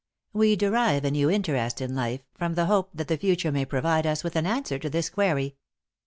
We derive a new interest in life from the hope that the future may provide us with an answer to this query.